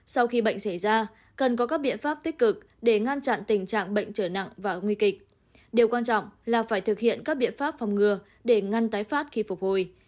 sau khi bệnh xảy ra cần có các biện pháp tích cực để ngăn chặn tình trạng bệnh trở nặng và nguy kịch điều quan trọng là phải thực hiện các biện pháp phòng ngừa để ngăn tái phát khi phục hồi